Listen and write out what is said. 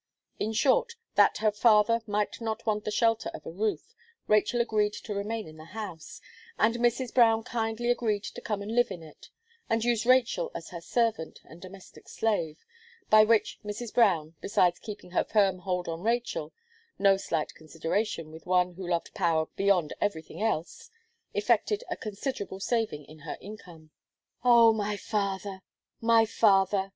In short, that her father might not want the shelter of a roof, Rachel agreed to remain in the house, and Mrs. Brown kindly agreed to come and live in it, and use Rachel as her servant and domestic slave, by which Mrs. Brown, besides keeping her firm hold on Rachel no slight consideration with one who loved power beyond everything else effected a considerable saving in her income. "Oh! my father my father!"